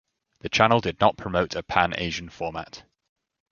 The channel did not promote a pan-Asian format.